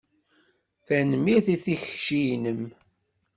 Tanemmirt i tikci-inem.